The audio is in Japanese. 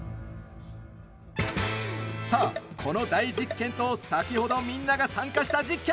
さあ、この大実験と先ほどみんなが参加した実験。